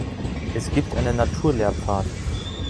Es gibt einen Naturlehrpfad.